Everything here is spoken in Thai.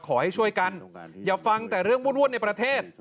ขอให้ช่วยกันอย่าฟังแต่เรื่องวุ่นในประเทศ